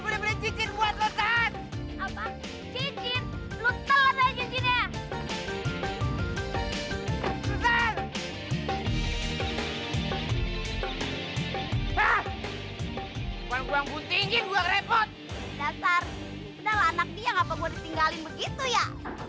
udah lah anak dia ngapa gue ditinggalin begitu ya